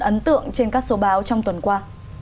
ấn tượng trên các số báo trong tuần qua